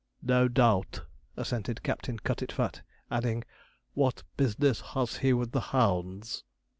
'No doubt,' assented Captain Cutitfat, adding, 'what business has he with the hounds?'